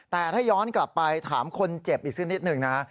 แต่ถ้าย้อนกลับไปถามคนเจ็บอีกสักนิดหนึ่งนะ